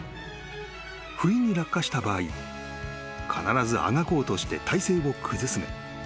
［不意に落下した場合必ずあがこうとして体勢を崩すが］